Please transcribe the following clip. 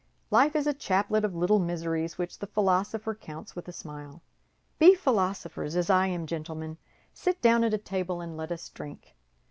Life is a chaplet of little miseries which the philosopher counts with a smile. Be philosophers, as I am, gentlemen; sit down at the table and let us drink.